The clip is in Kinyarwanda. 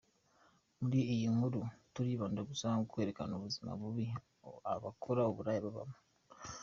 Muri iyi nkuru turibanda gusa ku kwerekana ubuzima bubi abakora uburaya babamo.